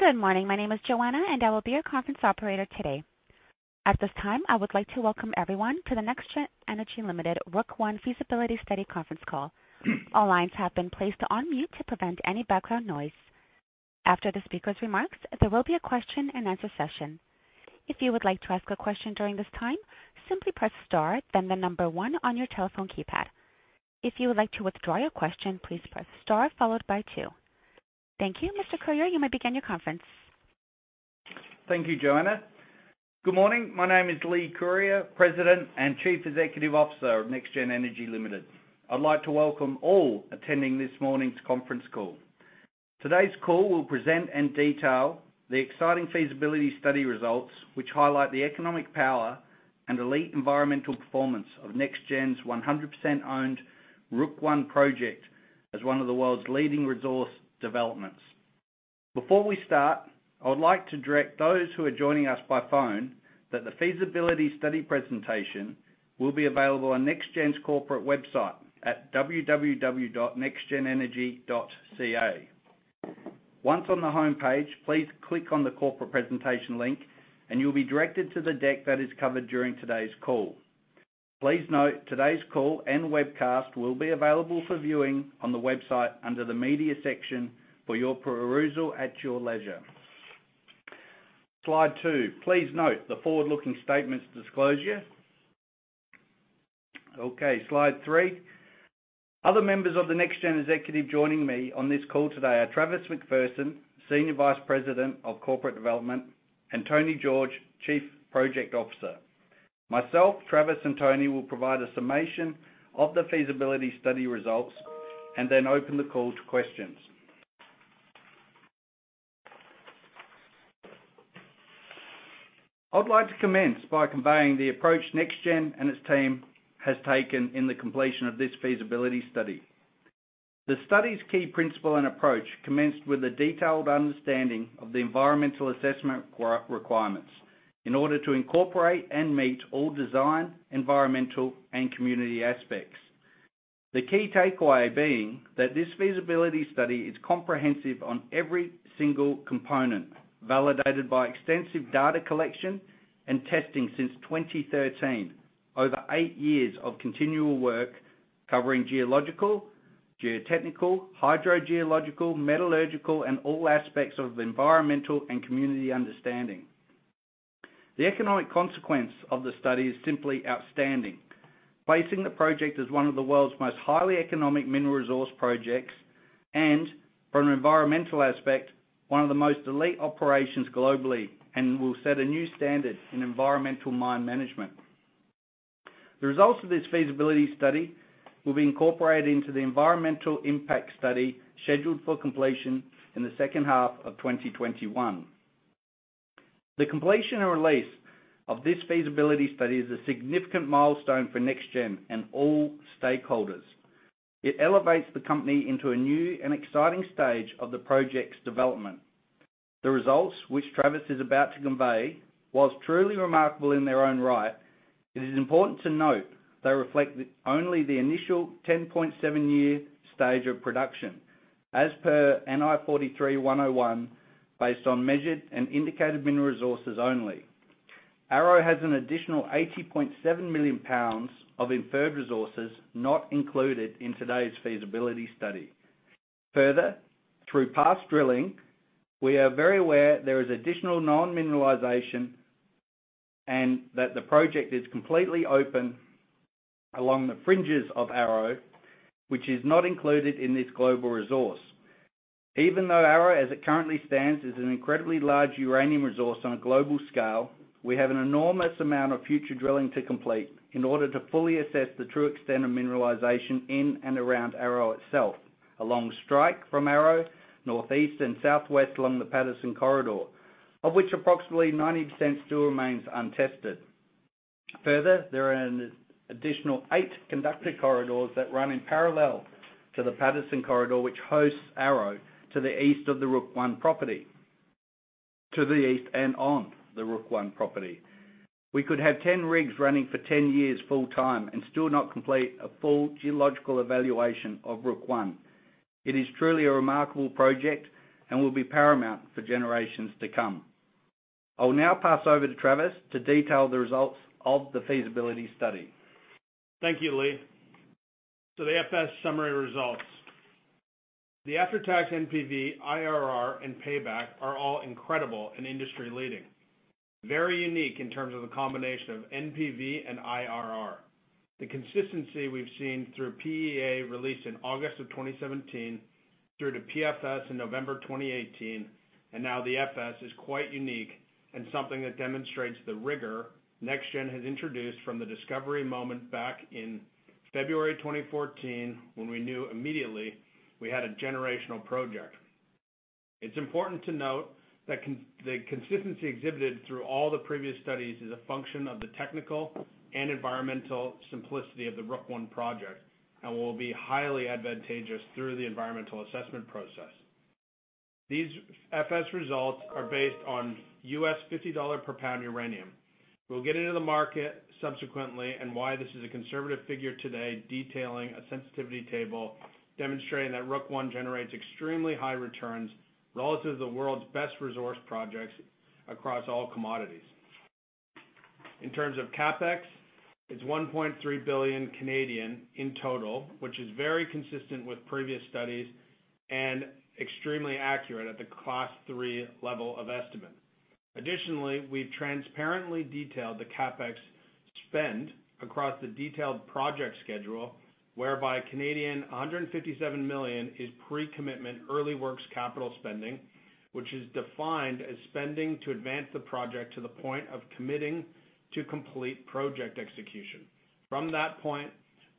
Good morning. My name is Joanna, and I will be your conference operator today. At this time, I would like to welcome everyone to the NexGen Energy Limited Rook 1 Feasibility Study Conference Call. All lines have been placed on mute to prevent any background noise. After the speaker's remarks, there will be a Q&A session. If you would like to ask a question during this time, simply press star, then the number one on your telephone keypad. If you would like to withdraw your question, please press star followed by two. Thank you. Mr. Curyer, you may begin your conference. Thank you, Joanna. Good morning. My name is Leigh Curyer, President and Chief Executive Officer of NexGen Energy Limited. I'd like to welcome all attending this morning's conference call. Today's call will present in detail the exciting feasibility study results, which highlight the economic power and elite environmental performance of NexGen's 100% owned Rook I project as one of the world's leading resource developments. Before we start, I would like to direct those who are joining us by phone that the feasibility study presentation will be available on NexGen's corporate website at www.nexgenenergy.ca. Once on the homepage, please click on the Corporate Presentation link, and you'll be directed to the deck that is covered during today's call. Please note, today's call and webcast will be available for viewing on the website under the Media section for your perusal at your leisure. Slide 2, please note the forward-looking statements disclosure. Slide 3. Other members of the NexGen executive joining me on this call today are Travis McPherson, Senior Vice President of Corporate Development, and Tony George, Chief Project Officer. Myself, Travis, and Tony will provide a summation of the feasibility study results and then open the call to questions. I'd like to commence by conveying the approach NexGen and its team has taken in the completion of this feasibility study. The study's key principle and approach commenced with a detailed understanding of the environmental assessment requirements in order to incorporate and meet all design, environmental, and community aspects. The key takeaway being that this feasibility study is comprehensive on every single component, validated by extensive data collection and testing since 2013. Over eight years of continual work covering geological, geotechnical, hydrogeological, metallurgical, and all aspects of environmental and community understanding. The economic consequence of the study is simply outstanding, placing the project as one of the world's most highly economic mineral resource projects and, from an environmental aspect, one of the most elite operations globally, and will set a new standard in environmental mine management. The results of this feasibility study will be incorporated into the environmental impact study, scheduled for completion in the H2 of 2021. The completion and release of this feasibility study is a significant milestone for NexGen and all stakeholders. It elevates the company into a new and exciting stage of the project's development. The results, which Travis is about to convey, while truly remarkable in their own right, it is important to note they reflect the, only the initial 10.7-year stage of production, as per NI 43-101, based on measured and indicated mineral resources only. Arrow has an additional 80.7 million pounds of inferred resources not included in today's feasibility study. Further, through past drilling, we are very aware there is additional mineralization, and that the project is completely open along the fringes of Arrow, which is not included in this global resource. Even though Arrow, as it currently stands, is an incredibly large uranium resource on a global scale, we have an enormous amount of future drilling to complete in order to fully assess the true extent of mineralization in and around Arrow itself. Along strike from Arrow, northeast and southwest along the Patterson Corridor, of which approximately 90% still remains untested. Further, there are an additional 8 conductive corridors that run in parallel to the Patterson Corridor, which hosts Arrow to the east of the Rook I property, to the east and on the Rook I property. We could have 10 rigs running for 10 years full time and still not complete a full geological evaluation of Rook I. It is truly a remarkable project and will be paramount for generations to come. I'll now pass over to Travis to detail the results of the feasibility study. Thank you, Leigh. So the FS summary results. The after-tax NPV, IRR, and payback are all incredible and industry-leading. Very unique in terms of the combination of NPV and IRR. The consistency we've seen through PEA, released in August 2017, through to PFS in November 2018, and now the FS, is quite unique and something that demonstrates the rigor NexGen has introduced from the discovery moment back in February 2014, when we knew immediately we had a generational project. It's important to note that the consistency exhibited through all the previous studies is a function of the technical and environmental simplicity of the Rook I project and will be highly advantageous through the environmental assessment process. These FS results are based on $50 per pound uranium.... We'll get into the market subsequently, and why this is a conservative figure today, detailing a sensitivity table, demonstrating that Rook I generates extremely high returns relative to the world's best resource projects across all commodities. In terms of CapEx, it's 1.3 billion Canadian dollars in total, which is very consistent with previous studies and extremely accurate at the Class 3 level of estimate. Additionally, we've transparently detailed the CapEx spend across the detailed project schedule, whereby 157 million is pre-commitment, early works capital spending, which is defined as spending to advance the project to the point of committing to complete project execution. From that point,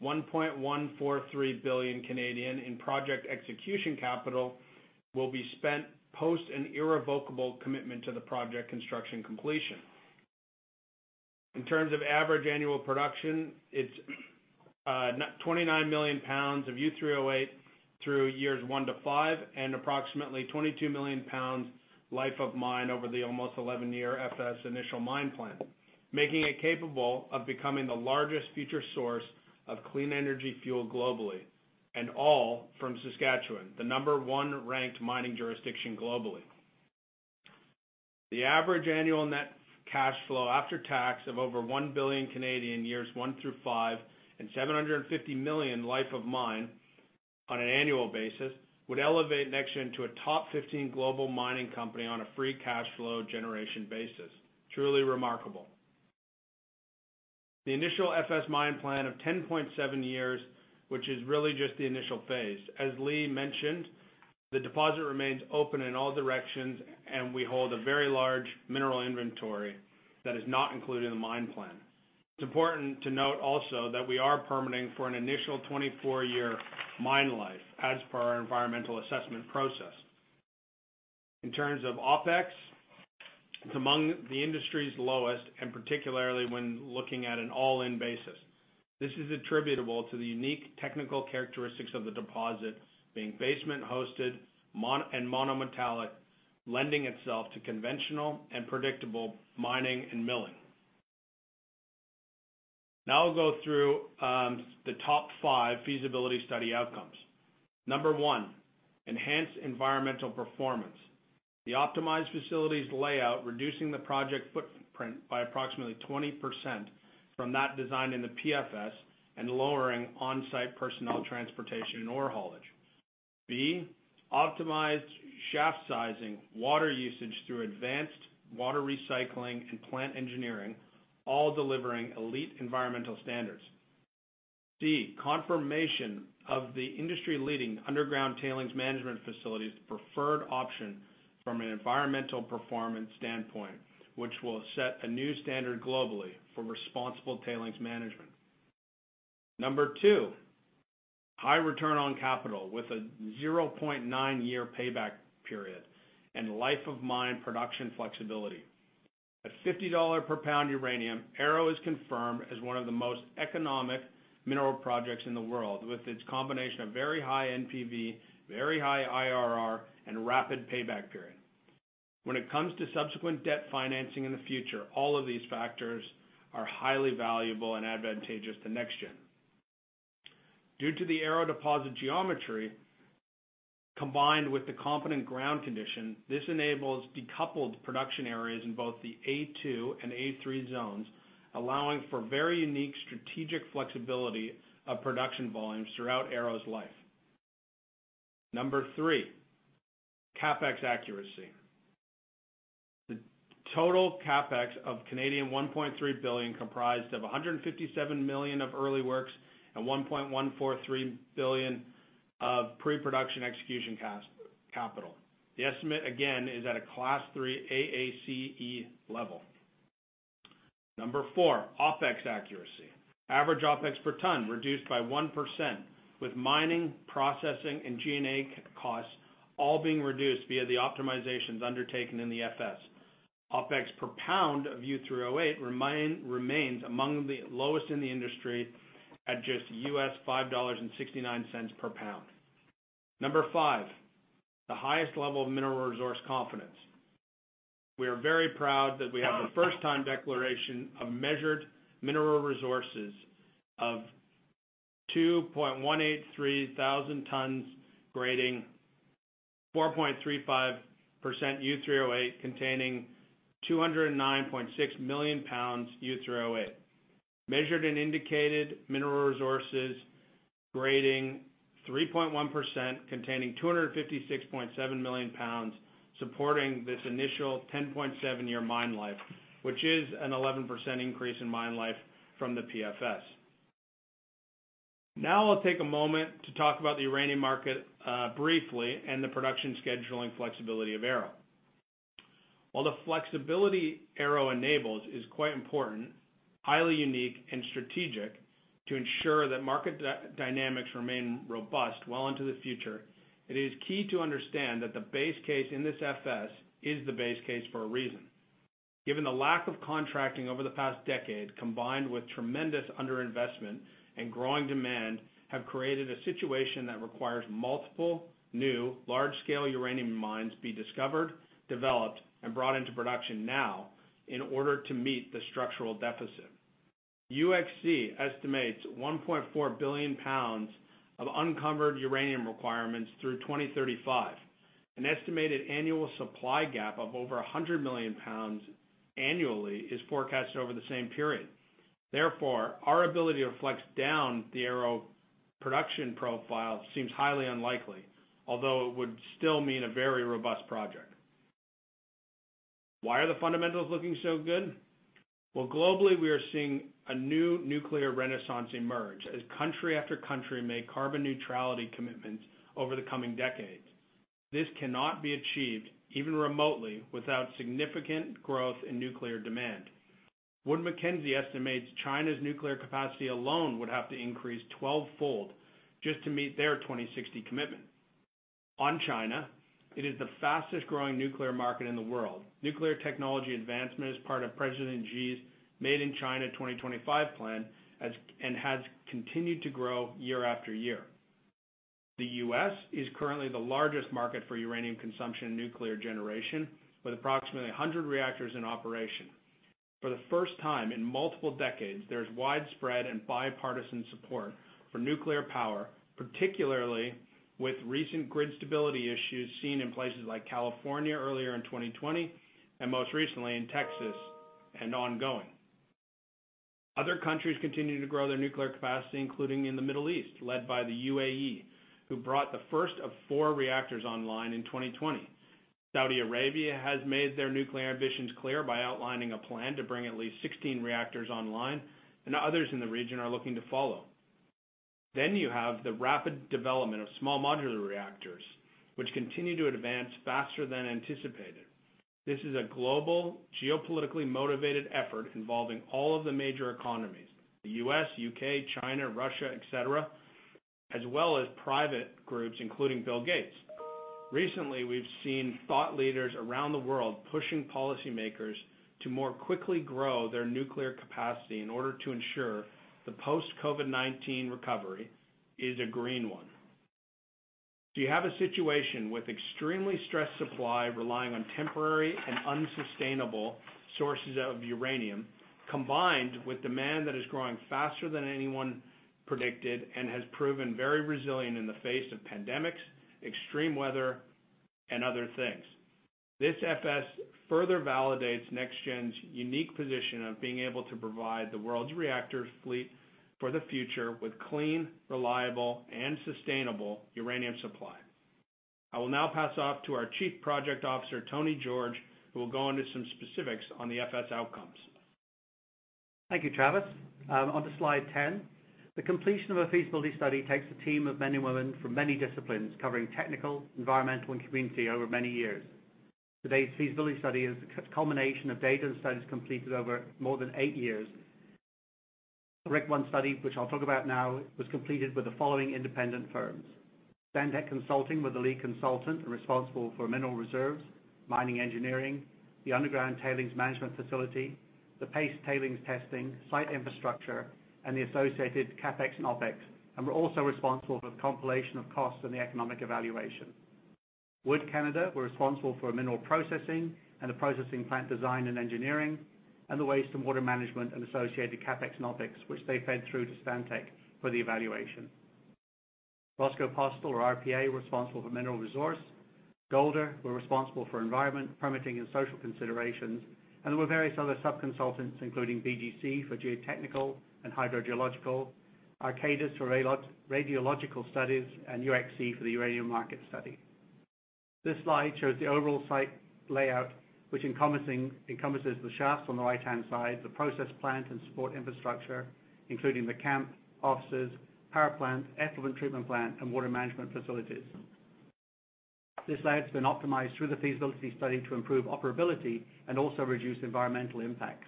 1.143 billion in project execution capital will be spent post an irrevocable commitment to the project construction completion. In terms of average annual production, it's 29 million pounds of U3O8 through years 1 to 5, and approximately 22 million pounds life of mine over the almost 11-year FS initial mine plan, making it capable of becoming the largest future source of clean energy fuel globally, and all from Saskatchewan, the number 1 ranked mining jurisdiction globally. The average annual net cash flow after tax of over 1 billion years 1 through 5, and 750 million life of mine on an annual basis, would elevate NexGen to a top 15 global mining company on a free cash flow generation basis. Truly remarkable. The initial FS mine plan of 10.7 years, which is really just the initial phase. As Leigh mentioned, the deposit remains open in all directions, and we hold a very large mineral inventory that is not included in the mine plan. It's important to note also that we are permitting for an initial 24-year mine life, as per our environmental assessment process. In terms of OpEx, it's among the industry's lowest, and particularly when looking at an all-in basis. This is attributable to the unique technical characteristics of the deposit, being basement-hosted, mon- and monometallic, lending itself to conventional and predictable mining and milling. Now I'll go through the top five feasibility study outcomes. Number one, enhanced environmental performance. The optimized facilities layout, reducing the project footprint by approximately 20% from that designed in the PFS, and lowering on-site personnel transportation and ore haulage. B, optimized shaft sizing, water usage through advanced water recycling and plant engineering, all delivering elite environmental standards. C, confirmation of the industry-leading underground tailings management facilities preferred option from an environmental performance standpoint, which will set a new standard globally for responsible tailings management. Number two, high return on capital with a 0.9-year payback period and life of mine production flexibility. At $50 per pound uranium, Arrow is confirmed as one of the most economic mineral projects in the world, with its combination of very high NPV, very high IRR, and rapid payback period. When it comes to subsequent debt financing in the future, all of these factors are highly valuable and advantageous to NexGen. Due to the Arrow Deposit geometry, combined with the competent ground condition, this enables decoupled production areas in both the A-2 and A-3 zones, allowing for very unique strategic flexibility of production volumes throughout Arrow's life. Number three, CapEx accuracy. The total CapEx of 1.3 billion, comprised of 157 million of early works and 1.143 billion of pre-production execution capital. The estimate, again, is at a Class III AACE level. Number four, OpEx accuracy. Average OpEx per ton reduced by 1%, with mining, processing, and G&A costs all being reduced via the optimizations undertaken in the FS. OpEx per pound of U3O8 remains among the lowest in the industry at just $5.69 per pound. Number five, the highest level of mineral resource confidence. We are very proud that we have the first time declaration of measured mineral resources of 2.183 million tons, grading 4.35% U3O8, containing 209.6 million pounds U3O8. Measured and indicated mineral resources grading 3.1%, containing 256.7 million pounds, supporting this initial 10.7-year mine life, which is an 11% increase in mine life from the PFS. Now I'll take a moment to talk about the uranium market briefly, and the production scheduling flexibility of Arrow. While the flexibility Arrow enables is quite important, highly unique, and strategic to ensure that market dynamics remain robust well into the future, it is key to understand that the base case in this FS is the base case for a reason. Given the lack of contracting over the past decade, combined with tremendous underinvestment and growing demand, have created a situation that requires multiple, new, large-scale uranium mines be discovered, developed, and brought into production now in order to meet the structural deficit.... UxC estimates 1.4 billion pounds of uncovered uranium requirements through 2035. An estimated annual supply gap of over 100 million pounds annually is forecasted over the same period. Therefore, our ability to flex down the Arrow production profile seems highly unlikely, although it would still mean a very robust project. Why are the fundamentals looking so good? Well, globally, we are seeing a new nuclear renaissance emerge as country after country make carbon neutrality commitments over the coming decades. This cannot be achieved even remotely, without significant growth in nuclear demand. Wood Mackenzie estimates China's nuclear capacity alone would have to increase twelvefold just to meet their 2060 commitment. On China, it is the fastest growing nuclear market in the world. Nuclear technology advancement is part of President Xi's Made in China 2025 plan, as and has continued to grow year after year. The U.S. is currently the largest market for uranium consumption and nuclear generation, with approximately 100 reactors in operation. For the first time in multiple decades, there's widespread and bipartisan support for nuclear power, particularly with recent grid stability issues seen in places like California earlier in 2020 and most recently in Texas, and ongoing. Other countries continue to grow their nuclear capacity, including in the Middle East, led by the UAE, who brought the first of four reactors online in 2020. Saudi Arabia has made their nuclear ambitions clear by outlining a plan to bring at least 16 reactors online, and others in the region are looking to follow. Then you have the rapid development of small modular reactors, which continue to advance faster than anticipated. This is a global, geopolitically motivated effort involving all of the major economies: the U.S., U.K., China, Russia, et cetera, as well as private groups, including Bill Gates. Recently, we've seen thought leaders around the world pushing policymakers to more quickly grow their nuclear capacity in order to ensure the post-COVID-19 recovery is a green one. So you have a situation with extremely stressed supply, relying on temporary and unsustainable sources of uranium, combined with demand that is growing faster than anyone predicted and has proven very resilient in the face of pandemics, extreme weather, and other things. This FS further validates NexGen's unique position of being able to provide the world's reactor fleet for the future with clean, reliable, and sustainable uranium supply. I will now pass off to our Chief Project Officer, Tony George, who will go into some specifics on the FS outcomes. Thank you, Travis. Onto Slide 10. The completion of a feasibility study takes a team of men and women from many disciplines, covering technical, environmental, and community over many years. Today's feasibility study is the culmination of data and studies completed over more than eight years. The Rook I study, which I'll talk about now, was completed with the following independent firms: Stantec Consulting, were the lead consultant and responsible for mineral reserves, mining engineering, the underground tailings management facility, the paste tailings testing, site infrastructure, and the associated CapEx and OpEx, and were also responsible for the compilation of costs and the economic evaluation. Wood Canada were responsible for mineral processing and the processing plant design and engineering, and the waste and water management and associated CapEx and OpEx, which they fed through to Stantec for the evaluation. Roscoe Postle or RPA, were responsible for mineral resource. Golder were responsible for environment, permitting, and social considerations, and there were various other sub-consultants, including BGC for geotechnical and hydrogeological, Arcadis for radiological studies, and UxC for the uranium market study. This slide shows the overall site layout, which encompassing, encompasses the shafts on the right-hand side, the process plant and support infrastructure, including the camp, offices, power plant, effluent treatment plant, and water management facilities. This layout has been optimized through the feasibility study to improve operability and also reduce environmental impacts.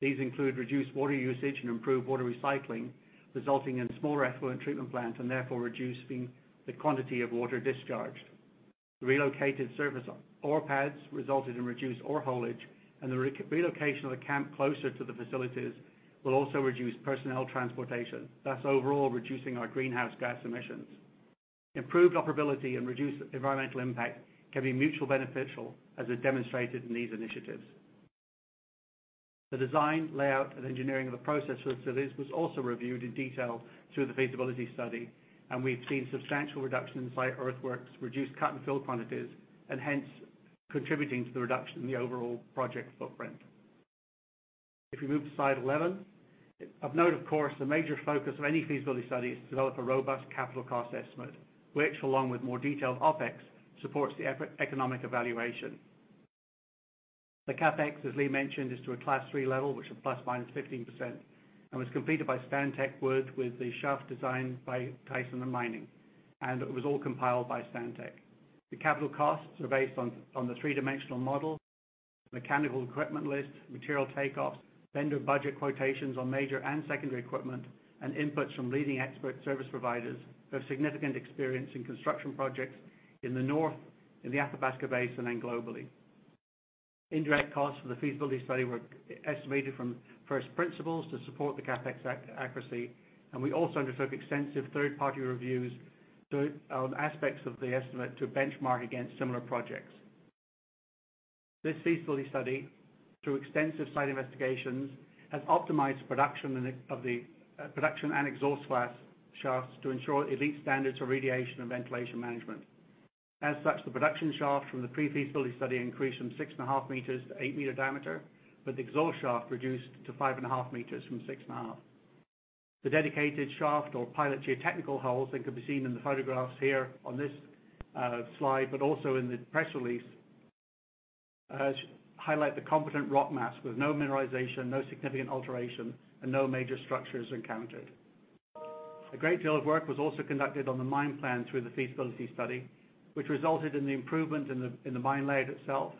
These include reduced water usage and improved water recycling, resulting in a smaller effluent treatment plant and therefore reducing the quantity of water discharged. Relocated surface ore pads resulted in reduced ore haulage, and the relocation of the camp closer to the facilities will also reduce personnel transportation, thus overall reducing our greenhouse gas emissions. Improved operability and reduced environmental impact can be mutually beneficial, as is demonstrated in these initiatives. The design, layout, and engineering of the process facilities was also reviewed in detail through the feasibility study, and we've seen substantial reductions in site earthworks, reduced cut and fill quantities, and hence contributing to the reduction in the overall project footprint. If we move to Slide 11, of note, of course, the major focus of any feasibility study is to develop a robust capital cost estimate, which, along with more detailed OpEx, supports the economic evaluation. The CapEx, as Lee mentioned, is to a Class three level, which is ±15%, and was completed by Stantec, Wood, with the shaft designed by Thyssen Mining, and it was all compiled by Stantec. The capital costs are based on the three-dimensional model, mechanical equipment lists, material takeoffs, vendor budget quotations on major and secondary equipment, and inputs from leading expert service providers with significant experience in construction projects in the north, in the Athabasca Basin, and globally. Indirect costs for the feasibility study were estimated from first principles to support the CapEx accuracy, and we also undertook extensive third-party reviews on aspects of the estimate to benchmark against similar projects. This feasibility study, through extensive site investigations, has optimized production of the production and exhaust shafts to ensure elite standards for radiation and ventilation management. As such, the production shaft from the pre-feasibility study increased from 6.5 meters to 8-meter diameter, but the exhaust shaft reduced to 5.5 meters from 6.5. The dedicated shaft or pilot geotechnical holes that can be seen in the photographs here on this slide, but also in the press release, highlight the competent rock mass with no mineralization, no significant alteration, and no major structures encountered. A great deal of work was also conducted on the mine plan through the feasibility study, which resulted in the improvement in the mine layout itself,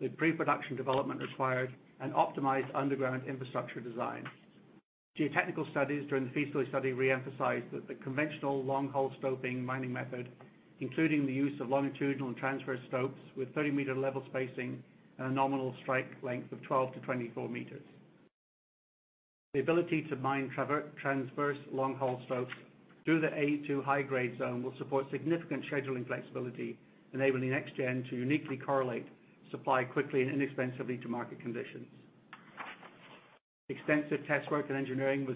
the pre-production development required, and optimized underground infrastructure design. Geotechnical studies during the feasibility study re-emphasized that the conventional longhole stoping mining method, including the use of longitudinal and transverse stopes with 30-meter level spacing and a nominal strike length of 12-24 meters. The ability to mine transverse longhole stopes through the A2 high-grade zone will support significant scheduling flexibility, enabling NexGen to uniquely correlate supply quickly and inexpensively to market conditions. Extensive test work and engineering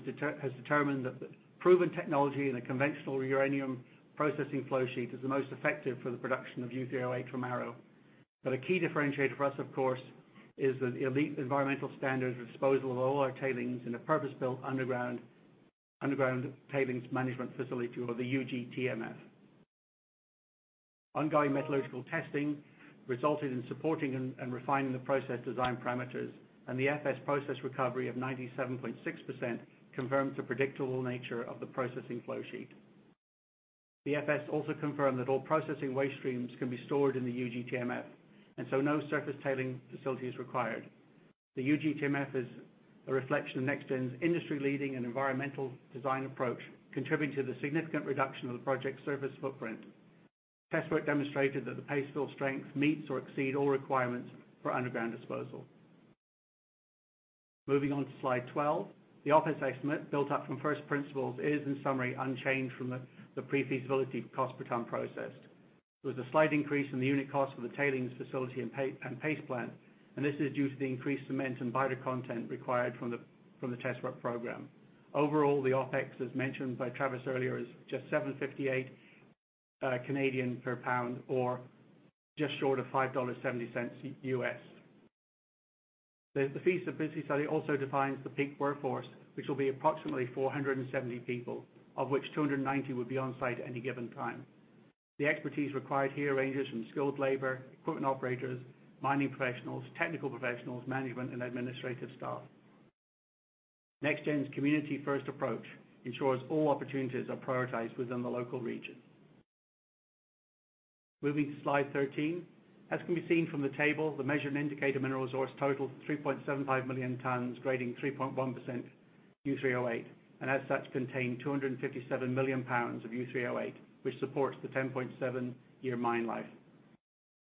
has determined that the proven technology in a conventional uranium processing flow sheet is the most effective for the production of U3O8 from Arrow. But a key differentiator for us, of course, is the elite environmental standards and disposal of all our tailings in a purpose-built underground tailings management facility or the UGTMF. Ongoing metallurgical testing resulted in supporting and refining the process design parameters, and the FS process recovery of 97.6% confirms the predictable nature of the processing flow sheet. The FS also confirmed that all processing waste streams can be stored in the UGTMF, and so no surface tailings facility is required. The UGTMF is a reflection of NexGen's industry-leading and environmental design approach, contributing to the significant reduction of the project's surface footprint. Test work demonstrated that the paste fill strength meets or exceed all requirements for underground disposal. Moving on to Slide 12. The OPEX estimate, built up from first principles, is, in summary, unchanged from the pre-feasibility cost per ton processed. There was a slight increase in the unit cost of the tailings facility and paste plant, and this is due to the increased cement and binder content required from the test work program. Overall, the OPEX, as mentioned by Travis earlier, is just 7.58 per pound or just short of $5.70 U.S. The feasibility study also defines the peak workforce, which will be approximately 470 people, of which 290 would be on site at any given time. The expertise required here ranges from skilled labor, equipment operators, mining professionals, technical professionals, management, and administrative staff. NexGen's community-first approach ensures all opportunities are prioritized within the local region. Moving to Slide 13. As can be seen from the table, the measured and indicated mineral resource totals 3.75 million tons, grading 3.1% U3O8, and as such, contain 257 million pounds of U3O8, which supports the 10.7-year mine life.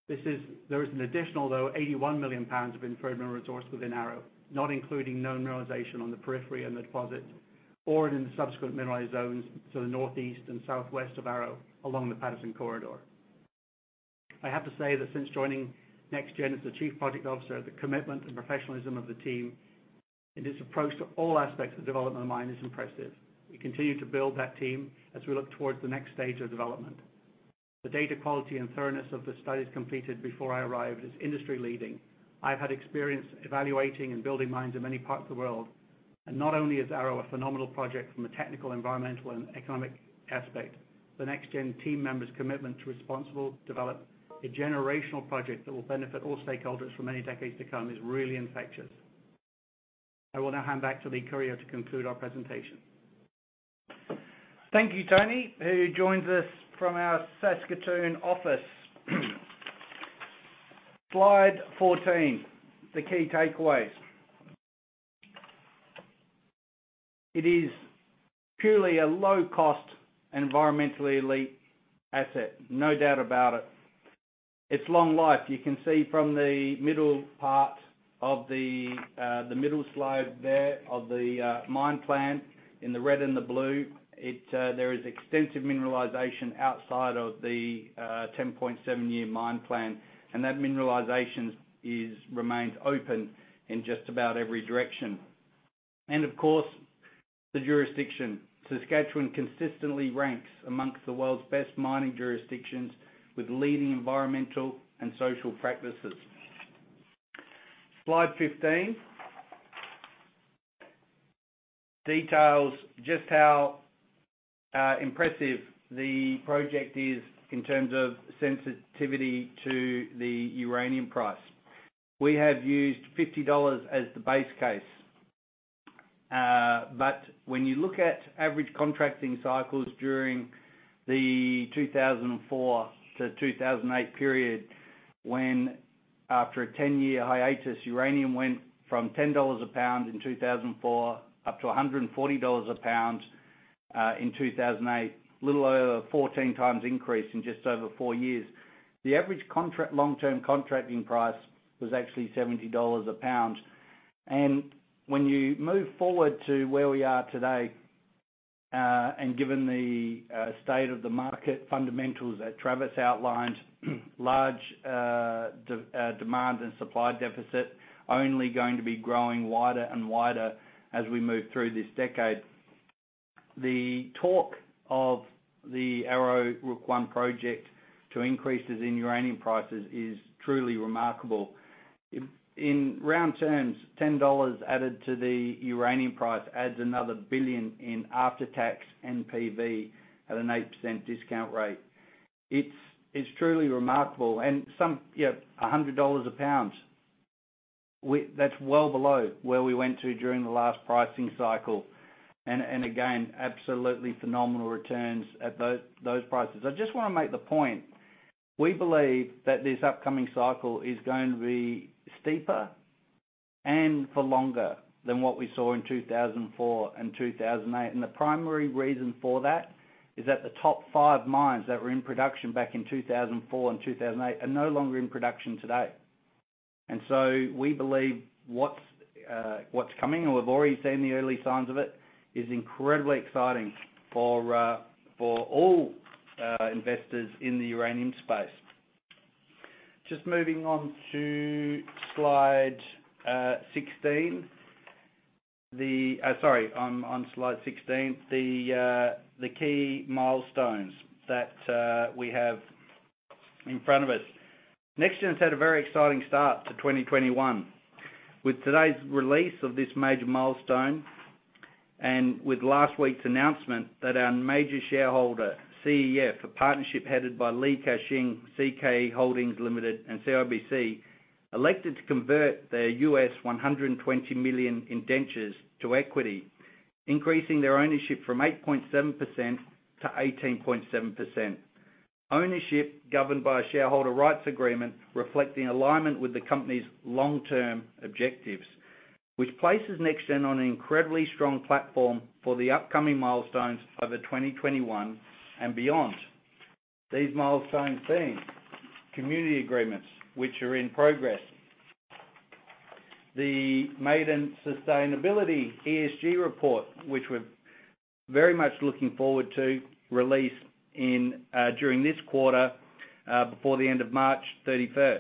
There is an additional, though, 81 million pounds of inferred mineral resource within Arrow, not including known mineralization on the periphery and the deposit or in the subsequent mineralized zones to the northeast and southwest of Arrow, along the Patterson Corridor. I have to say that since joining NexGen as the Chief Project Officer, the commitment and professionalism of the team in this approach to all aspects of development of the mine is impressive. We continue to build that team as we look towards the next stage of development. The data quality and thoroughness of the studies completed before I arrived is industry-leading. I've had experience evaluating and building mines in many parts of the world, and not only is Arrow a phenomenal project from a technical, environmental, and economic aspect, the NexGen team members' commitment to responsible, develop a generational project that will benefit all stakeholders for many decades to come is really infectious. I will now hand back to Leigh Curyer to conclude our presentation. Thank you, Tony, who joins us from our Saskatoon office. Slide 14, the key takeaways. It is purely a low cost, environmentally elite asset, no doubt about it. It's long life. You can see from the middle part of the middle slide there of the mine plan in the red and the blue, it. There is extensive mineralization outside of the 10.7-year mine plan, and that mineralization remains open in just about every direction. And of course, the jurisdiction. Saskatchewan consistently ranks amongst the world's best mining jurisdictions, with leading environmental and social practices. Slide 15, details just how impressive the project is in terms of sensitivity to the uranium price. We have used $50 as the base case. But when you look at average contracting cycles during the 2004 to 2008 period, when after a 10-year hiatus, uranium went from $10 a pound in 2004 up to $140 a pound in 2008, little over 14 times increase in just over 4 years. The average contracting long-term contracting price was actually $70 a pound. And when you move forward to where we are today and given the state of the market fundamentals that Travis outlined, large demand and supply deficit only going to be growing wider and wider as we move through this decade. The talk of the Arrow Rook I project to increases in uranium prices is truly remarkable. In round terms, $10 added to the uranium price adds another 1 billion in after-tax NPV at an 8% discount rate. It's truly remarkable $100 a pound. That's well below where we went to during the last pricing cycle, and again, absolutely phenomenal returns at those prices. I just want to make the point, we believe that this upcoming cycle is going to be steeper and for longer than what we saw in 2004 and 2008. The primary reason for that is that the top five mines that were in production back in 2004 and 2008 are no longer in production today. So we believe what's coming, and we've already seen the early signs of it, is incredibly exciting for all investors in the uranium space. Just moving on to Slide 16. Sorry, on Slide 16. The key milestones that we have in front of us. NexGen's had a very exciting start to 2021. With today's release of this major milestone, and with last week's announcement that our major shareholder, CEF, a partnership headed by Li Ka-shing, CK Hutchison Holdings Limited, and CIBC, elected to convert their $120 million indentures to equity, increasing their ownership from 8.7% to 18.7%. Ownership governed by a shareholder rights agreement, reflecting alignment with the company's long-term objectives, which places NexGen on an incredibly strong platform for the upcoming milestones over 2021 and beyond. These milestones being: community agreements, which are in progress. The maiden sustainability ESG report, which we're very much looking forward to release in, during this quarter, before the end of March 31.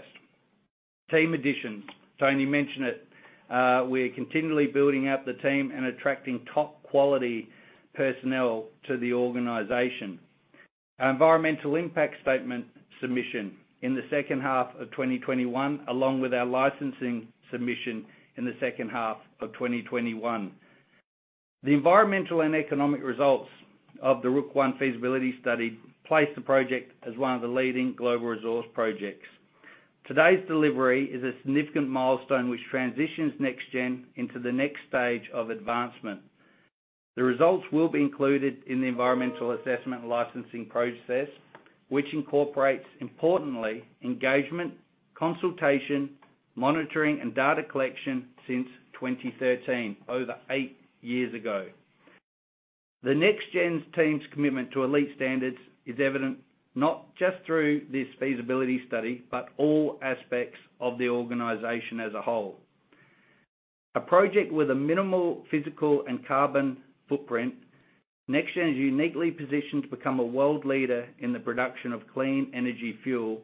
Team additions, Tony mentioned it. We're continually building out the team and attracting top quality personnel to the organization. Our environmental impact statement submission in the H2 of 2021, along with our licensing submission in the H2 of 2021. The environmental and economic results of the Rook I feasibility study place the project as one of the leading global resource projects. Today's delivery is a significant milestone, which transitions NexGen into the next stage of advancement. The results will be included in the environmental assessment licensing process, which incorporates, importantly, engagement, consultation, monitoring, and data collection since 2013, over eight years ago. NexGen's team's commitment to elite standards is evident, not just through this feasibility study, but all aspects of the organization as a whole. A project with a minimal physical and carbon footprint, NexGen is uniquely positioned to become a world leader in the production of clean energy fuel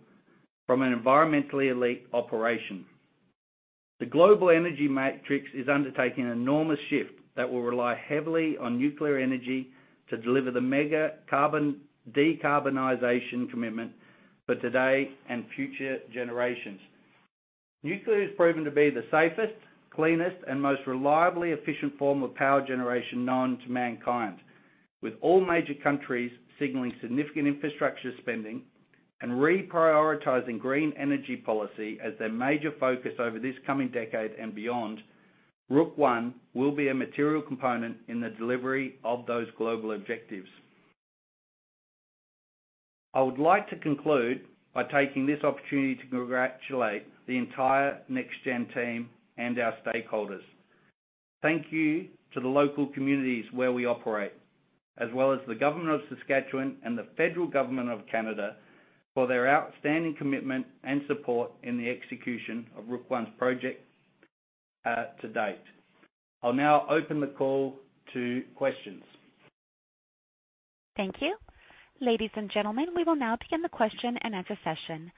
from an environmentally elite operation. The global energy matrix is undertaking an enormous shift that will rely heavily on nuclear energy to deliver the mega carbon decarbonization commitment for today and future generations. Nuclear has proven to be the safest, cleanest, and most reliably efficient form of power generation known to mankind. With all major countries signaling significant infrastructure spending and reprioritizing green energy policy as their major focus over this coming decade and beyond, Rook 1 will be a material component in the delivery of those global objectives. I would like to conclude by taking this opportunity to congratulate the entire NexGen team and our stakeholders. Thank you to the local communities where we operate, as well as the government of Saskatchewan and the federal government of Canada, for their outstanding commitment and support in the execution of Rook 1's project to date. I'll now open the call to questions. Thank you. Ladies and gentlemen, we will now begin the Q&A session.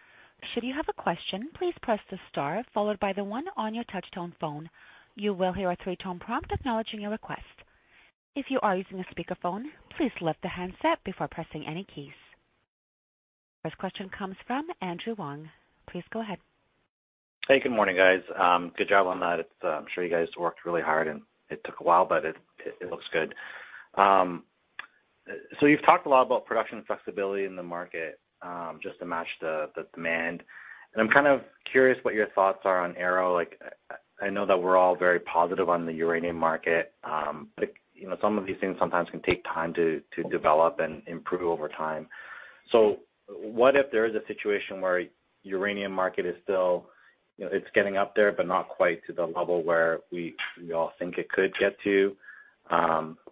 Should you have a question, please press the star followed by the one on your touch tone phone. You will hear a three-tone prompt acknowledging your request. If you are using a speakerphone, please lift the handset before pressing any keys. First question comes from Andrew Wong. Please go ahead. Hey, good morning, guys. Good job on that. It's... I'm sure you guys worked really hard, and it took a while, but it, it, it looks good. So you've talked a lot about production flexibility in the market, just to match the, the demand. And I'm curious what your thoughts are on Arrow. Like, I, I know that we're all very positive on the uranium market, but, you know, some of these things sometimes can take time to, to develop and improve over time. So what if there is a situation where uranium market is still, you know, it's getting up there, but not quite to the level where we, we all think it could get to,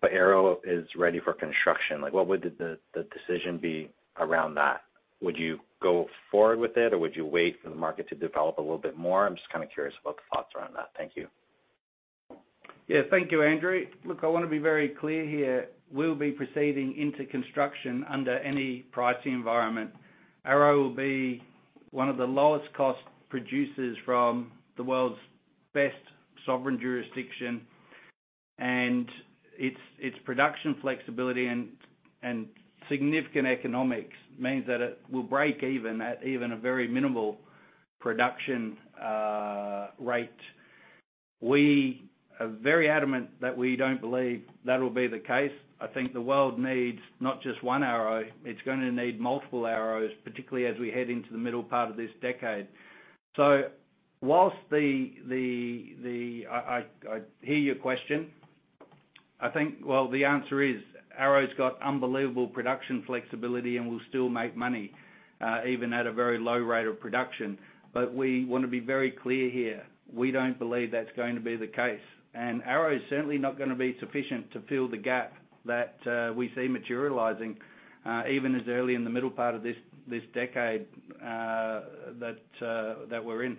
but Arrow is ready for construction? Like, what would the, the, the decision be around that?... Would you go forward with it or would you wait for the market to develop a little bit more? I'm just curious about the thoughts around that. Thank you. Thank you, Andrew. Look, I want to be very clear here. We'll be proceeding into construction under any pricing environment. Arrow will be one of the lowest cost producers from the world's best sovereign jurisdiction, and its production flexibility and significant economics means that it will break even at even a very minimal production rate. We are very adamant that we don't believe that will be the case. I think the world needs not just one Arrow, it's going to need multiple Arrows, particularly as we head into the middle part of this decade. So whilst I hear your question. I think, well, the answer is Arrow's got unbelievable production flexibility and will still make money even at a very low rate of production. But we want to be very clear here, we don't believe that's going to be the case. And Arrow is certainly not going to be sufficient to fill the gap that we see materializing even as early in the middle part of this decade that we're in.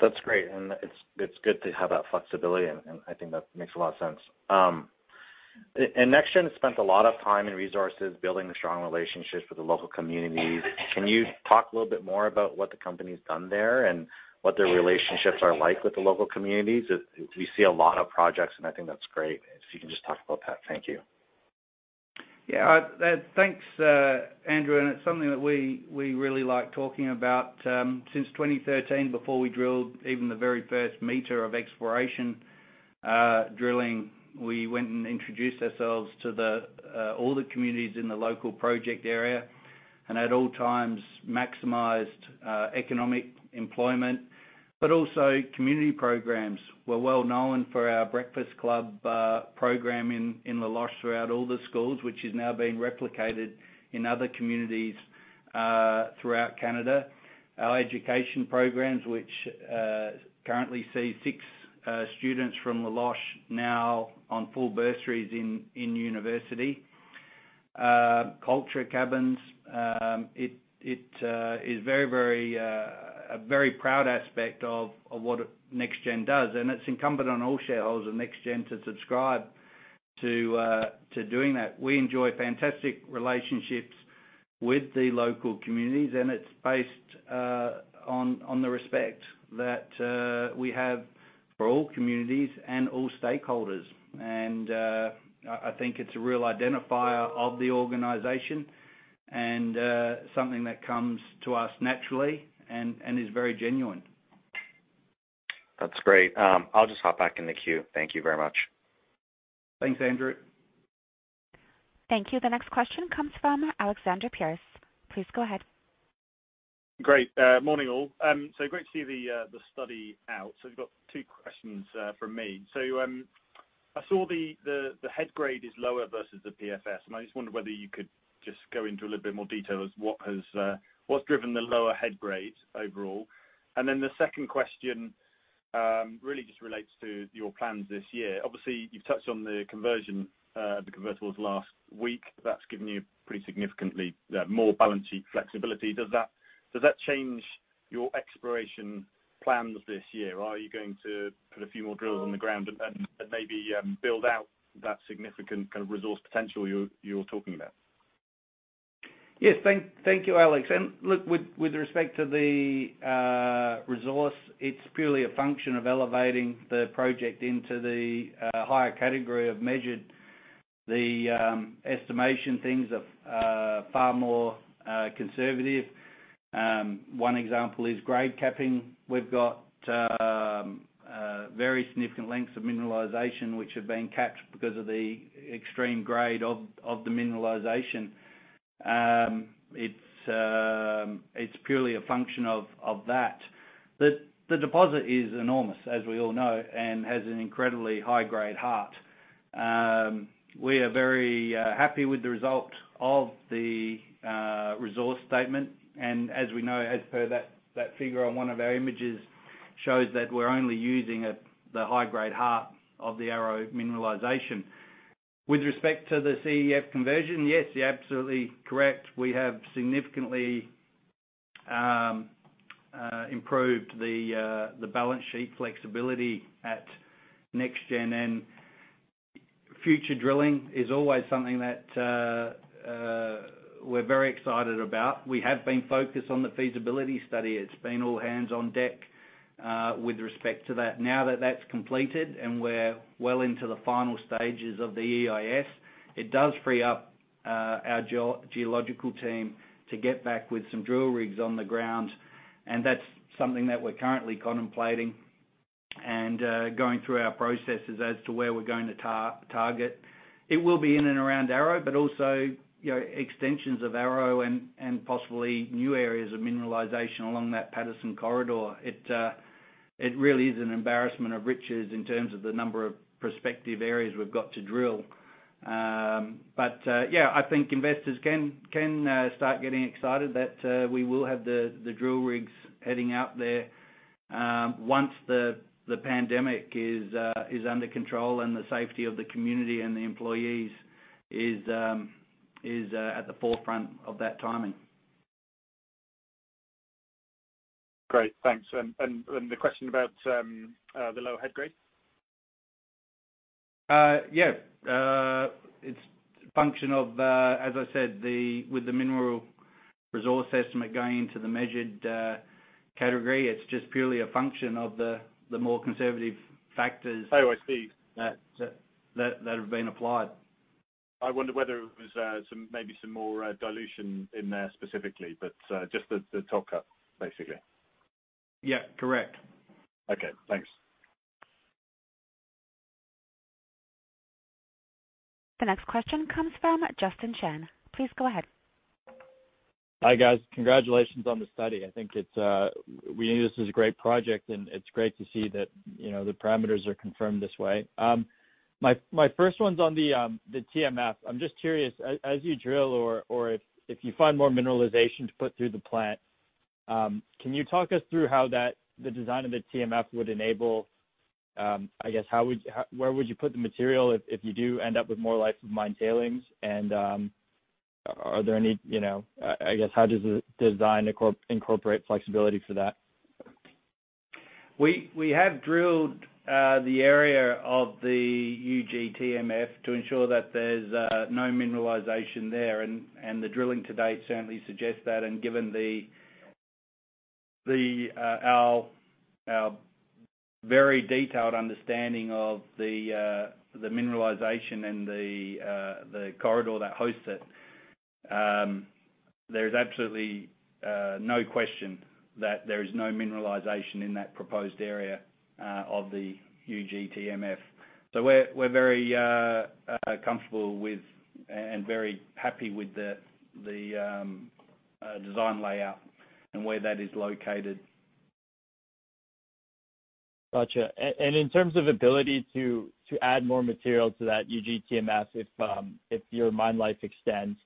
That's great, and it's good to have that flexibility, and I think that makes a lot of sense. NexGen has spent a lot of time and resources building a strong relationship with the local communities. Can you talk a little bit more about what the company's done there and what their relationships are like with the local communities? We see a lot of projects, and I think that's great. So if you can just talk about that. Thank you. Thanks, Andrew, and it's something that we, we really like talking about. Since 2013, before we drilled even the very first meter of exploration drilling, we went and introduced ourselves to all the communities in the local project area, and at all times maximized economic employment. But also, community programs. We're well known for our breakfast club program in La Loche throughout all the schools, which is now being replicated in other communities throughout Canada. Our education programs, which currently see six students from La Loche now on full bursaries in university. Culture cabins. It is very, very a very proud aspect of what NexGen does, and it's incumbent on all shareholders of NexGen to subscribe to doing that. We enjoy fantastic relationships with the local communities, and it's based on the respect that we have for all communities and all stakeholders. I think it's a real identifier of the organization and something that comes to us naturally and is very genuine. That's great. I'll just hop back in the queue. Thank you very much. Thanks, Andrew. Thank you. The next question comes from Alexander Pearce. Please go ahead. Great. Morning, all. So great to see the study out. So you've got two questions from me. So, I saw the head grade is lower versus the PFS, and I just wondered whether you could just go into a little bit more detail as what has, what's driven the lower head grade overall. And then the second question really just relates to your plans this year. Obviously, you've touched on the conversion, the convertibles last week. That's given you pretty significantly more balance sheet flexibility. Does that change your exploration plans this year, or are you going to put a few more drills on the ground and maybe build out that significant resource potential you were talking about? Yes. Thank you, Alex. And look, with respect to the resource, it's purely a function of elevating the project into the higher category of measured. The estimation things are far more conservative. One example is grade capping. We've got very significant lengths of mineralization, which have been capped because of the extreme grade of the mineralization. It's purely a function of that. The deposit is enormous, as we all know, and has an incredibly high-grade heart. We are very happy with the result of the resource statement. And as we know, as per that figure on one of our images, shows that we're only using the high-grade heart of the Arrow mineralization. With respect to the CEF conversion, yes, you're absolutely correct. We have significantly improved the balance sheet flexibility at NexGen, and future drilling is always something that we're very excited about. We have been focused on the feasibility study. It's been all hands on deck with respect to that. Now that that's completed, and we're well into the final stages of the EIS, it does free up our geological team to get back with some drill rigs on the ground, and that's something that we're currently contemplating and going through our processes as to where we're going to target. It will be in and around Arrow, but also, you know, extensions of Arrow and possibly new areas of mineralization along that Patterson Corridor. It really is an embarrassment of riches in terms of the number of prospective areas we've got to drill. But investors can start getting excited that we will have the drill rigs heading out there once the pandemic is under control and the safety of the community and the employees is at the forefront of that timing. Great, thanks. And the question about the low head grade? It's a function of, as I said, with the mineral resource estimate going into the Measured category, it's just purely a function of the, the more conservative factors- Oh, I see. That have been applied. I wonder whether it was maybe some more dilution in there specifically, but just the top cut, basically. Correct. Okay, thanks. The next question comes from Justin Chan. Please go ahead. Hi, guys. Congratulations on the study. I think it's... we knew this was a great project, and it's great to see that, you know, the parameters are confirmed this way. My first one's on the TMF. I'm just curious, as you drill or if you find more mineralization to put through the plant, can you talk us through how that, the design of the TMF would enable... I guess, how would-- how, where would you put the material if you do end up with more life of mine tailings? And, are there any, you know... I guess, how does the design incorporate flexibility for that? We have drilled the area of the UGTMF to ensure that there's no mineralization there, and the drilling to date certainly suggests that. Given our very detailed understanding of the mineralization and the corridor that hosts it, there is absolutely no question that there is no mineralization in that proposed area of the UGTMF. So we're very comfortable with and very happy with the design layout and where that is located. Gotcha. And in terms of ability to add more material to that UGTMF, if your mine life extends,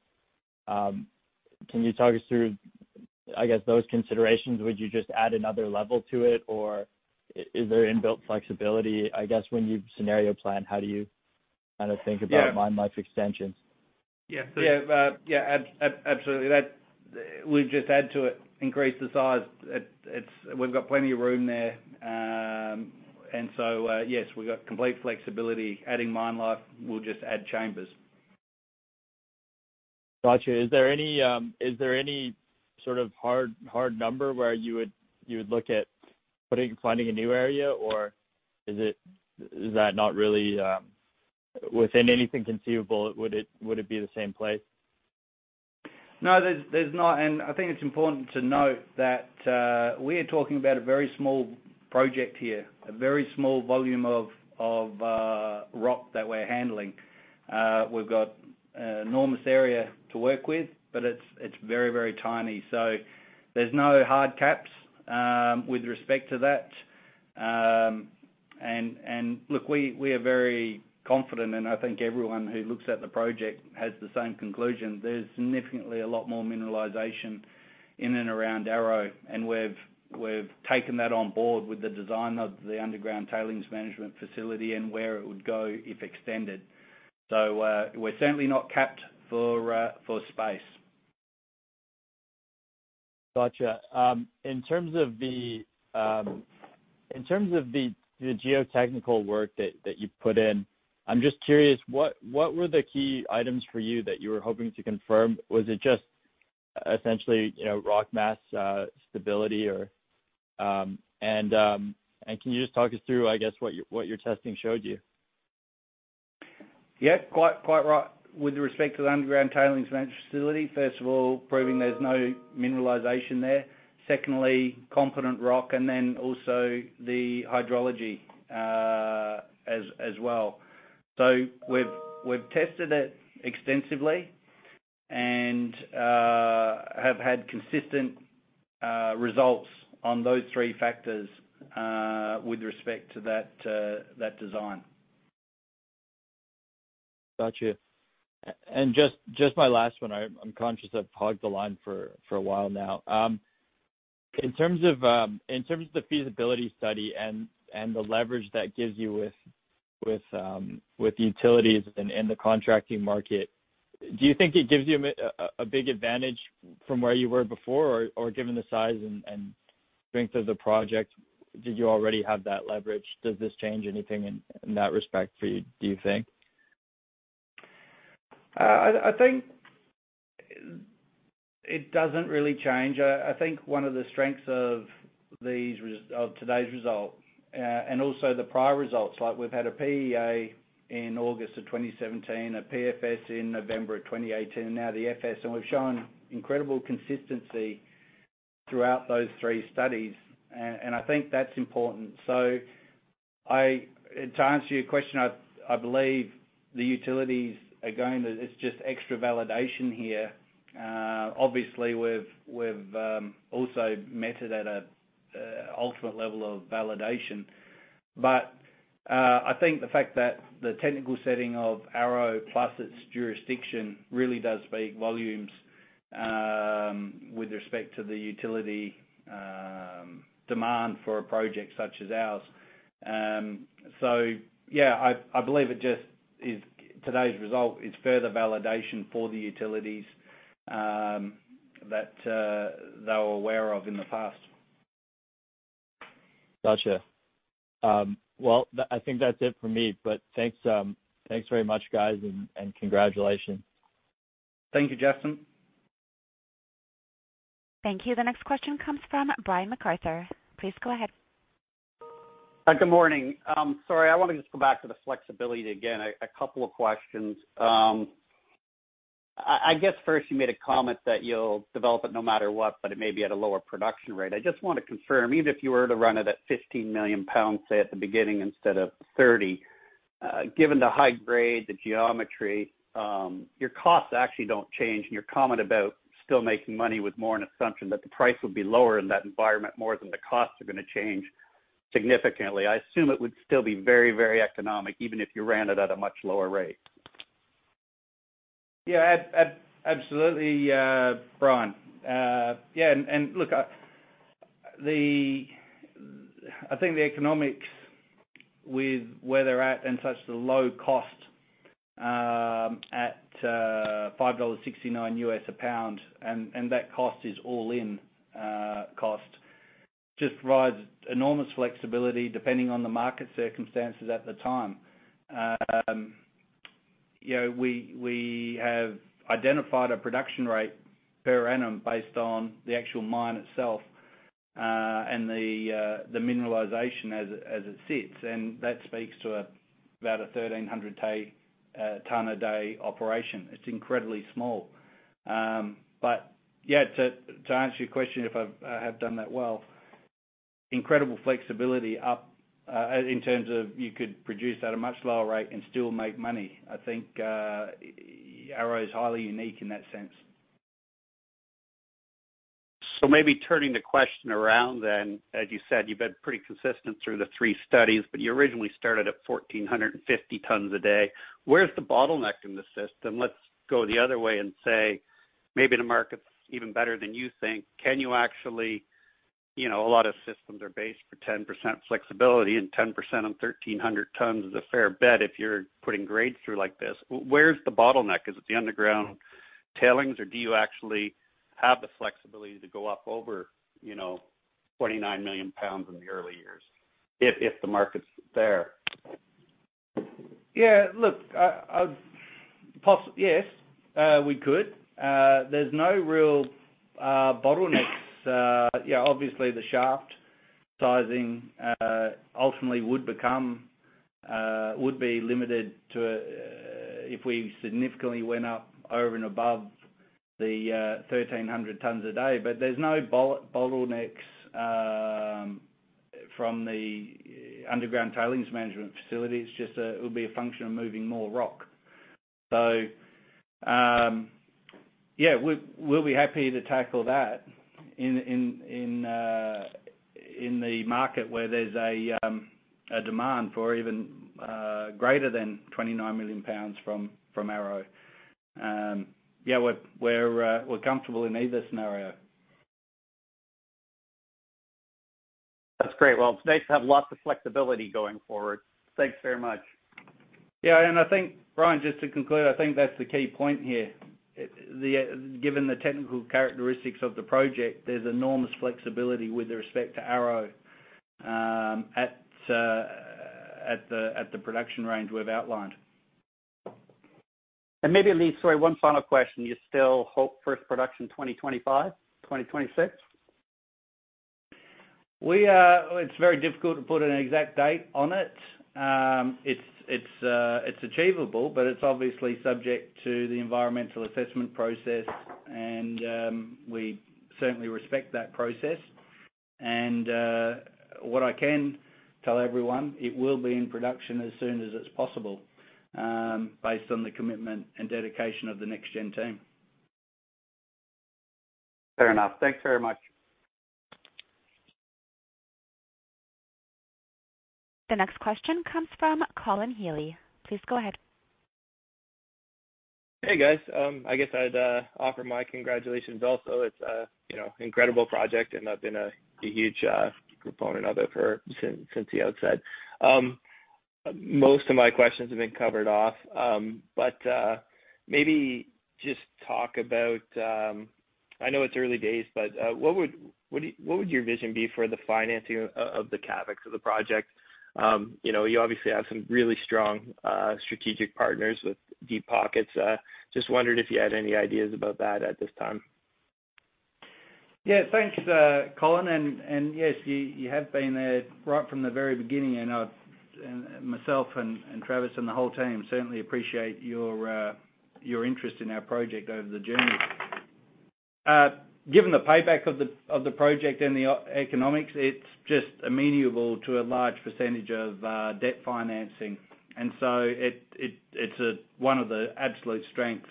can you talk us through, I guess, those considerations? Would you just add another level to it, or is there inbuilt flexibility? I guess when you scenario plan, how do you think about mine life extensions? Absolutely. That, we'd just add to it, increase the size. It, it's, we've got plenty of room there. And so, yes, we've got complete flexibility. Adding mine life, we'll just add chambers. Gotcha. Is there any hard, hard number where you would look at putting, finding a new area, or is it not really within anything conceivable? Would it be the same place? No, there's not. I think it's important to note that we are talking about a very small project here, a very small volume of rock that we're handling. We've got an enormous area to work with, but it's very, very tiny. So there's no hard caps with respect to that. And look, we are very confident, and I think everyone who looks at the project has the same conclusion: There's significantly a lot more mineralization in and around Arrow, and we've taken that on board with the design of the underground tailings management facility and where it would go if extended. So, we're certainly not capped for space. Gotcha. In terms of the geotechnical work that you put in, I'm just curious, what were the key items for you that you were hoping to confirm? Was it just essentially, you know, rock mass stability or... And can you just talk us through, I guess, what your testing showed you? Quite right. With respect to the underground tailings management facility, first of all, proving there's no mineralization there. Secondly, competent rock, and then also the hydrology, as well. So we've tested it extensively and have had consistent results on those three factors with respect to that design. Got you. And just my last one. I'm conscious I've hogged the line for a while now. In terms of the feasibility study and the leverage that gives you with utilities and the contracting market, do you think it gives you a big advantage from where you were before? Or, given the size and strength of the project, did you already have that leverage? Does this change anything in that respect for you, do you think? I think it doesn't really change. I think one of the strengths of these results of today's result and also the prior results, like we've had a PEA in August of 2017, a PFS in November of 2018, and now the FS. And we've shown incredible consistency throughout those three studies, and I think that's important. So to answer your question, I believe the utilities are going to. It's just extra validation here. Obviously, we've also met it at an ultimate level of validation. But I think the fact that the technical setting of Arrow plus its jurisdiction really does speak volumes with respect to the utility demand for a project such as ours. I believe it just is. Today's result is further validation for the utilities that they were aware of in the past. Gotcha. Well, I think that's it for me, but thanks, thanks very much, guys, and, and congratulations. Thank you, Justin. Thank you. The next question comes from Brian MacArthur. Please go ahead. Good morning. Sorry, I want to just go back to the flexibility again. A couple of questions. I guess first, you made a comment that you'll develop it no matter what, but it may be at a lower production rate. I just want to confirm, even if you were to run it at 15 million pounds, say, at the beginning instead of 30, given the high grade, the geometry, your costs actually don't change. And your comment about still making money with more an assumption that the price would be lower in that environment, more than the costs are gonna change significantly. I assume it would still be very, very economic, even if you ran it at a much lower rate. Absolutely, Brian. And look, I think the economics with where they're at, and such the low cost at $5.69 a pound, and that cost is all in cost, just provides enormous flexibility depending on the market circumstances at the time. You know, we have identified a production rate per annum, based on the actual mine itself, and the mineralization as it sits, and that speaks to about a 1,300 ton a day operation. It's incredibly small. But to answer your question, if I have, I have done that well, incredible flexibility up in terms of you could produce at a much lower rate and still make money. I think Arrow is highly unique in that sense. So maybe turning the question around then, as you said, you've been pretty consistent through the three studies, but you originally started at 1,450 tons a day. Where's the bottleneck in the system? Let's go the other way and say, maybe the market's even better than you think. Can you actually, you know, a lot of systems are based for 10% flexibility, and 10% on 1,300 tons is a fair bet if you're putting grades through like this. Where's the bottleneck? Is it the underground tailings, or do you actually have the flexibility to go up over, you know, 29 million pounds in the early years, if, if the market's there? Look, yes, we could. There's no real bottlenecks. Obviously, the shaft sizing ultimately would become would be limited to if we significantly went up over and above the 1,300 tons a day. But there's no bottlenecks from the underground tailings management facilities. It's just a it would be a function of moving more rock. So we'll be happy to tackle that in the market where there's a demand for even greater than 29 million pounds from Arrow. We're comfortable in either scenario. That's great. Well, it's nice to have lots of flexibility going forward. Thanks very much. And Brian, just to conclude, I think that's the key point here. Given the technical characteristics of the project, there's enormous flexibility with respect to Arrow at the production range we've outlined. Maybe at least, sorry, one final question. You still hope first production 2025, 2026? It's very difficult to put an exact date on it. It's achievable, but it's obviously subject to the environmental assessment process, and we certainly respect that process. What I can tell everyone, it will be in production as soon as it's possible, based on the commitment and dedication of the NexGen team. Fair enough. Thanks very much. The next question comes from Colin Healey. Please go ahead. Hey, guys. I guess I'd offer my congratulations also. It's, you know, incredible project, and I've been a huge proponent of it for since the outset. Most of my questions have been covered off, but maybe just talk about, I know it's early days, but what would your vision be for the financing of the CapEx of the project? You know, you obviously have some really strong strategic partners with deep pockets. Just wondered if you had any ideas about that at this time. Thanks, Colin, and yes, you have been there right from the very beginning, and I and myself and Travis and the whole team certainly appreciate your interest in our project over the journey. Given the payback of the project and the economics, it's just amenable to a large percentage of debt financing, and so it's a one of the absolute strengths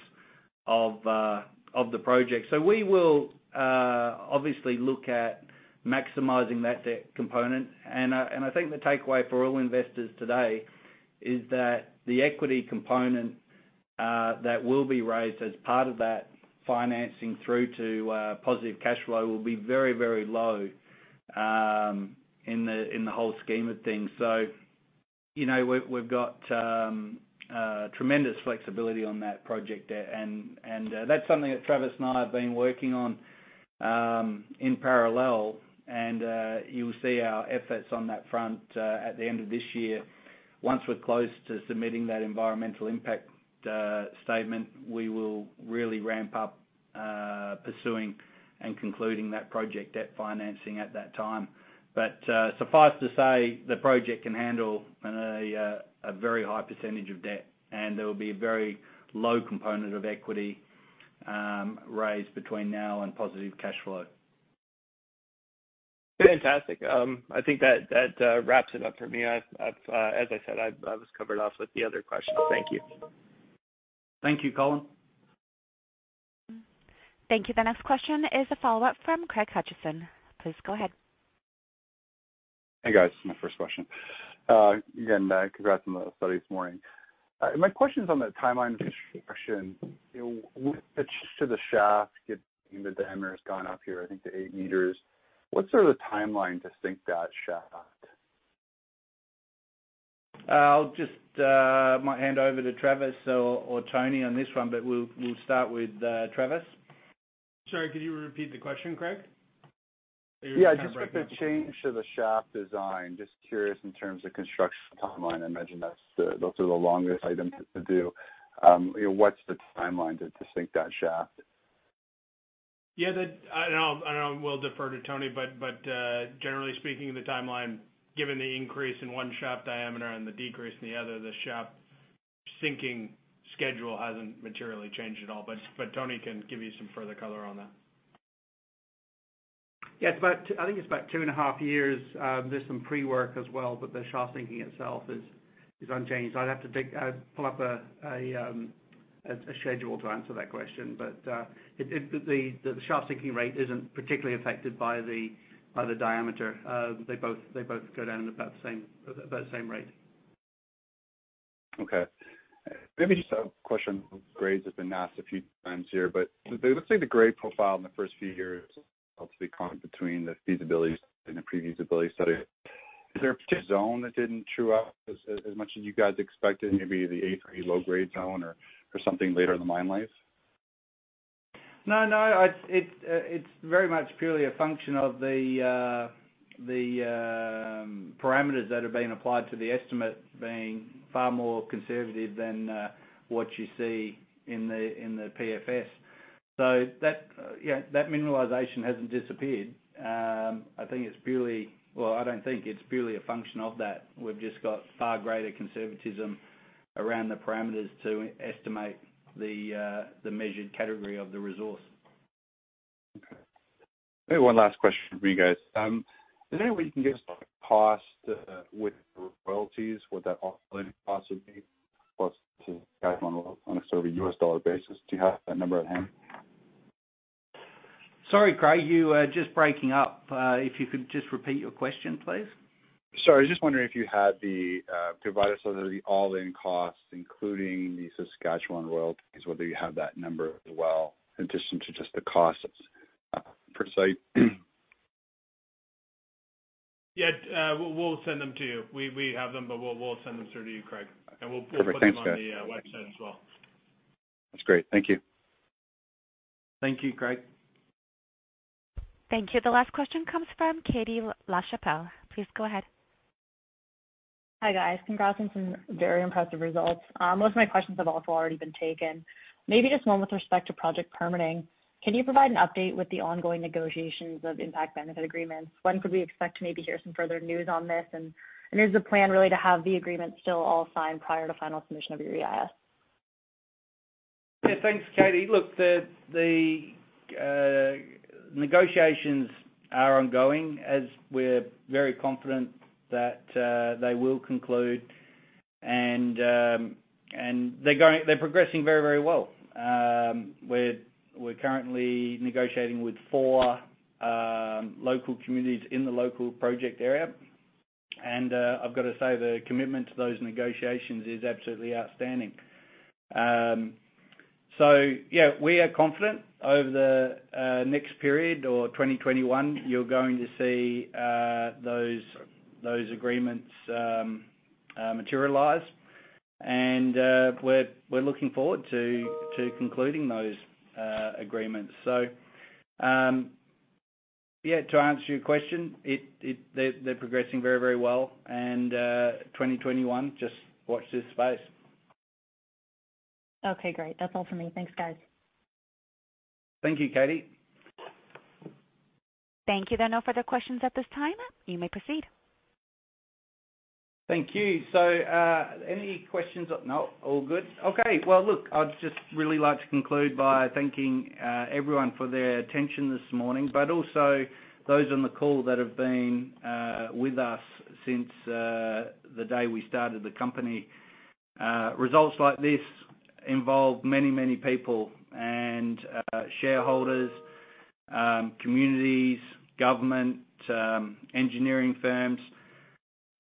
of the project. So we will obviously look at maximizing that debt component. And I think the takeaway for all investors today is that the equity component that will be raised as part of that financing through to positive cash flow will be very, very low in the whole scheme of things. So, you know, we've got tremendous flexibility on that project there. And that's something that Travis and I have been working on in parallel, and you'll see our efforts on that front at the end of this year. Once we're close to submitting that environmental impact statement, we will really ramp up pursuing and concluding that project debt financing at that time. But suffice to say, the project can handle a very high percentage of debt, and there will be a very low component of equity raised between now and positive cash flow. Fantastic. I think that wraps it up for me. As I said, I was covered off with the other questions. Thank you. Thank you, Colin. Thank you. The next question is a follow-up from Craig Hutchison. Please go ahead. Hey, guys. This is my first question. Again, congrats on the study this morning. My question is on the timeline construction. You know, with the change to the shaft, getting the diameter has gone up here, I think, to 8 meters. What's the timeline to sink that shaft? I'll just might hand over to Travis or Tony on this one, but we'll start with Travis. Sorry, could you repeat the question, Craig? I just with the change to the shaft design, just curious in terms of construction timeline. I imagine that's those are the longest items to do. What's the timeline to sink that shaft? We'll defer to Tony, but, but, generally speaking, the timeline, given the increase in one shaft diameter and the decrease in the other, the shaft sinking schedule hasn't materially changed at all. But, but Tony can give you some further color on that. It's about, I think it's about 2.5 years. There's some pre-work as well, but the shaft sinking itself is unchanged. I'd have to dig, pull up a schedule to answer that question, but the shaft sinking rate isn't particularly affected by the diameter. They both go down about the same rate. Okay. Maybe just a question. Grades have been asked a few times here, but let's say the grade profile in the first few years, obviously, common between the feasibility and the pre-feasibility study. Is there a zone that didn't true up as much as you guys expected, maybe the A3 low-grade zone or something later in the mine life? No, no. It's very much purely a function of the parameters that have been applied to the estimate being far more conservative than what you see in the PFS. So that, that mineralization hasn't disappeared. I think it's purely... Well, I don't think it's purely a function of that. We've just got far greater conservatism around the parameters to estimate the measured category of the resource. Okay. I have one last question for you guys. Is there any way you can give us cost with royalties, what that operating cost would be, plus to guide on a, on a a U.S. dollar basis? Do you have that number at hand? Sorry, Craig. You are just breaking up. If you could just repeat your question, please. Sorry, I was just wondering if you had the provide us with the all-in costs, including the Saskatchewan royalties, whether you have that number as well, in addition to just the costs per site. We'll send them to you. We have them, but we'll send them through to you, Craig. Perfect. Thanks, guys. And we'll put them on the website as well. That's great. Thank you. Thank you, Craig. Thank you. The last question comes from Katie Lachapelle. Please go ahead. Hi, guys. Congrats on some very impressive results. Most of my questions have also already been taken. Maybe just one with respect to project permitting. Can you provide an update with the ongoing negotiations of impact benefit agreements? When could we expect to maybe hear some further news on this? And, and is the plan really to have the agreement still all signed prior to final submission of your EIS? Thanks, Katie. Look, the negotiations are ongoing, as we're very confident that they will conclude. And they're progressing very, very well. We're currently negotiating with four local communities in the local project area. And I've got to say, the commitment to those negotiations is absolutely outstanding. So we are confident over the next period or 2021, you're going to see those agreements materialize. And we're looking forward to concluding those agreements. So to answer your question, they're progressing very, very well. And 2021, just watch this space. That's all for me. Thanks, guys. Thank you, Katie. Thank you. There are no further questions at this time. You may proceed. Thank you. So, any questions? No, all good. Okay. Well, look, I'd just really like to conclude by thanking everyone for their attention this morning, but also those on the call that have been with us since the day we started the company. Results like this involve many, many people and shareholders, communities, government, engineering firms.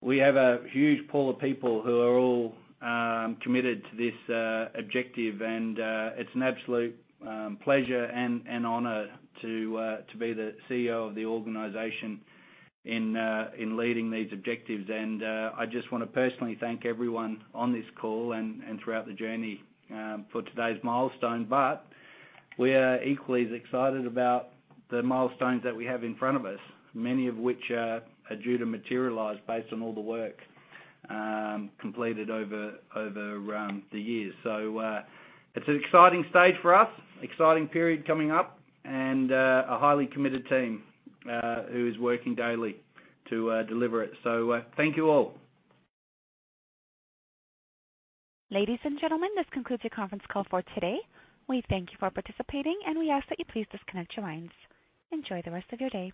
We have a huge pool of people who are all committed to this objective, and it's an absolute pleasure and honor to be the CEO of the organization in leading these objectives. And, I just wanna personally thank everyone on this call and throughout the journey for today's milestone. But we are equally as excited about the milestones that we have in front of us, many of which are due to materialize based on all the work completed over the years. So, it's an exciting stage for us, exciting period coming up, and a highly committed team who is working daily to deliver it. So, thank you all. Ladies and gentlemen, this concludes the conference call for today. We thank you for participating, and we ask that you please disconnect your lines. Enjoy the rest of your day.